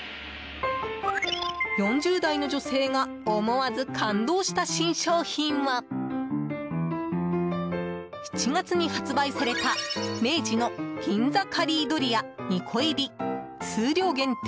４０代の女性が思わず感動した新商品は７月に発売された明治の銀座カリードリア２個入数量限定